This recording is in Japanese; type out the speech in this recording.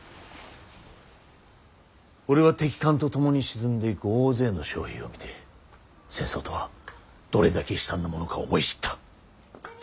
俺は敵艦と共に沈んでいく大勢の将兵を見て戦争とはどれだけ悲惨なものかを思い知った。